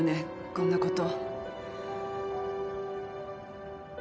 こんなこと。